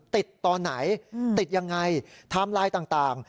ตอนไหนติดยังไงไทม์ไลน์ต่าง